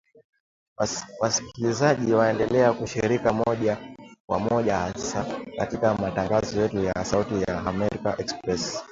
Wasikilizaji waendelea kushiriki moja kwa moja hasa katika matangazo yetu ya Sauti ya Amerika Express